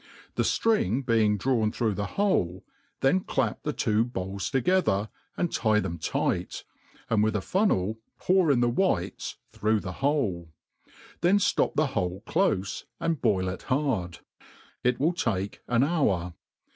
The firing being drawn through the hole, then clap* the two bowls together, and tie them tight, and with a funnel pour in the whites through the hole; then ftop the hole cjofe and boif it hard. It will take an hour.